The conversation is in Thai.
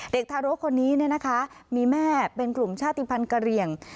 เด็กทารกคนนี้นะคะมีแม่เป็นกลุ่มชาติพันธ์เกรียง